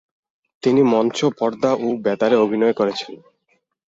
তিনি মঞ্চ, পর্দা ও বেতারে অভিনয় করেছেন।